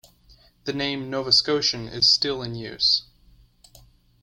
The name "Novascotian" is still in use.